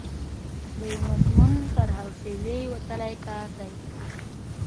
د یوه مضمون تر حوصلې وتلی کار دی.